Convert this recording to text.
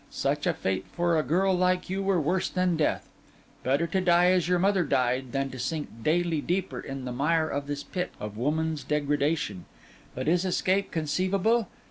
Such a fate for a girl like you were worse than death; better to die as your mother died than to sink daily deeper in the mire of this pit of woman's degradation. But is escape conceivable?